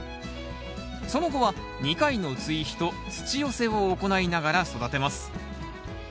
その後は２回の追肥と土寄せを行いながら育てます。